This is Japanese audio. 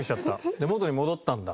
じゃあ元に戻ったんだ。